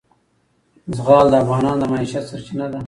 زغال د افغانانو د معیشت سرچینه ده.